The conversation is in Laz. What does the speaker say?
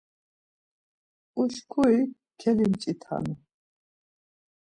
Uşkuri kelimç̌itanu.